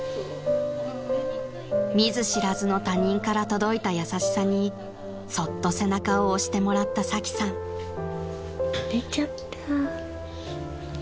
［見ず知らずの他人から届いた優しさにそっと背中を押してもらったサキさん］寝ちゃった。